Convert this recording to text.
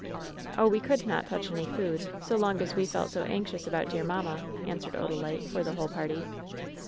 "Oh, we could not touch any food so long as we felt so anxious about dear mamma!" answered Odalite, for the whole party.